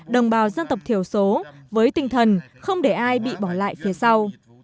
đồng bào dân tộc thiểu số với tinh thần không để ai bị bỏ lại phía sau